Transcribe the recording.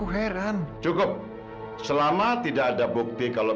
hati hati dong bu